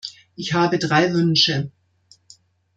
Ich habe drei Wünsche.